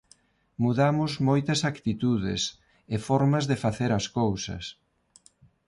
Mudamos moitas actitudes e formas de facer as cousas.